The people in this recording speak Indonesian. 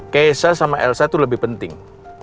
keisha sama elsa tuh lebih penting